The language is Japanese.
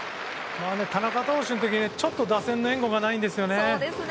田中投手の時に打線の援護がないんですよね。